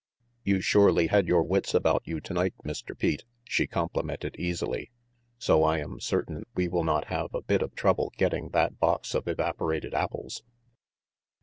"You surely had your wits about you tonight, Mr. Pete," she complimented easily, "so I am certain we will not have a bit of trouble getting that box of evaporated apples."